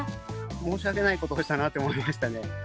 申し訳ないことをしたなと、思いましたね。